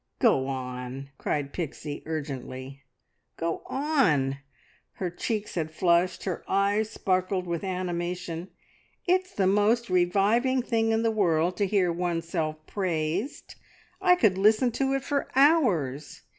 "Go on!" cried Pixie urgently. "Go on!" Her cheeks had flushed, her eyes sparkled with animation. "It's the most reviving thing in the world to hear oneself praised, I could listen to it for hours.